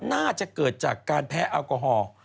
น่าจะเกิดจากการแพ้แอลกอฮอล์